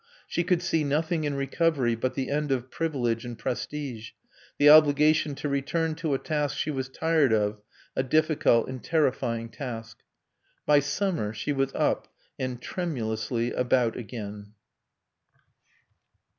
She could see nothing in recovery but the end of privilege and prestige, the obligation to return to a task she was tired of, a difficult and terrifying task. By summer she was up and (tremulously) about again.